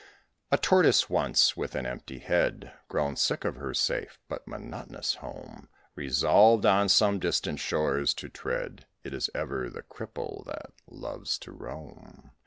A Tortoise once, with an empty head, Grown sick of her safe but monotonous home, Resolved on some distant shore to tread; It is ever the cripple that loves to roam.